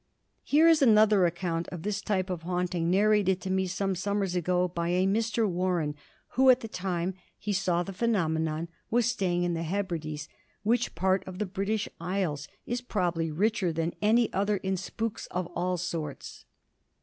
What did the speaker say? Here is another account of this type of haunting narrated to me some summers ago by a Mr. Warren, who at the time he saw the phenomenon was staying in the Hebrides, which part of the British Isles is probably richer than any other in spooks of all sorts.